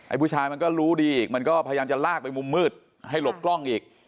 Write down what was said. ผู้ชายมันก็รู้ดีอีกมันก็พยายามจะลากไปมุมมืดให้หลบกล้องอีก